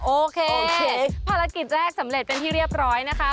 โอเคภารกิจแรกสำเร็จเป็นที่เรียบร้อยนะคะ